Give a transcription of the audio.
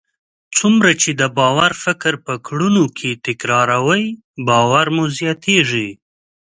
څومره چې د باور فکر په کړنو کې تکراروئ، باور مو زیاتیږي.